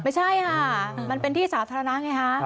ไม่ใช่ค่ะมันเป็นที่สาธารณะไงฮะ